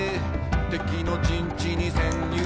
「敵の陣地に潜入」